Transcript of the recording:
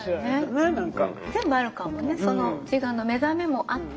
全部あるかもねその自我の目覚めもあって。